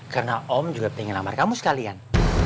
karena om juga pengen ngelamar kamu sekalian